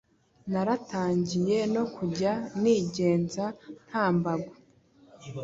naratangiye no kujya nigenza nta mbago